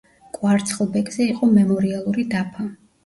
კვარცხლბეკზე იყო მემორიალური დაფა.